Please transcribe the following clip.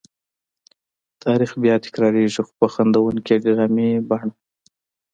تاریخ بیا تکرارېږي خو په خندوونکې ډرامې بڼه.